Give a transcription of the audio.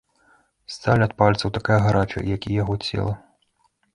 Сталь ад пальцаў такая гарачая, як і яго цела.